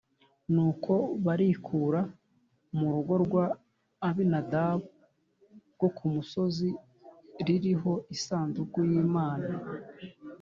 Nuko barikura mu rugo rwa Abinadabu rwo ku musozi ririho isanduku y’Imana